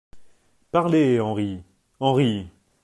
Parlez, Henri ! HENRI.